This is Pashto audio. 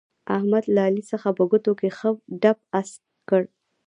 احمد له علي څخه په ټوکو کې ښه دپ اسک کړ.